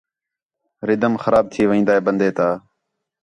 رِدھم خراب تھی وین٘دا ہِے بندے تا